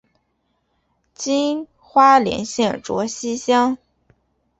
今花莲县卓溪乡。